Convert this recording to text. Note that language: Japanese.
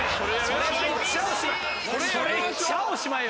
それ言っちゃおしまいよ！